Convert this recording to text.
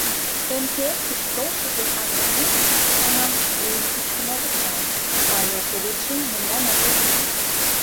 МТС гыч толшо ден агроном, манам, вуйым пӱчкын огыт нал, а ялсоветше мемнан огыл.